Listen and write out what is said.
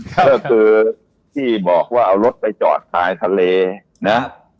ก็คือที่บอกว่าเอารถไปจอดท้ายทะเลนะ